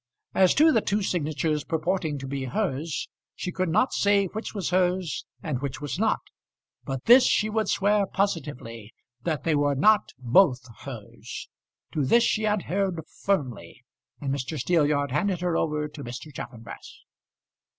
As to the two signatures purporting to be hers, she could not say which was hers and which was not. But this she would swear positively, that they were not both hers. To this she adhered firmly, and Mr. Steelyard handed her over to Mr. Chaffanbrass.